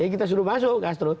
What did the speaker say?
ya kita suruh masuk castro